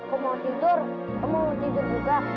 aku mau tidur kamu mau tidur juga